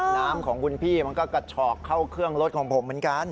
น้ำของคุณพี่มันก็กระฉอกเข้าเครื่องรถของผมเหมือนกัน